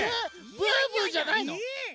ブーブーじゃないの？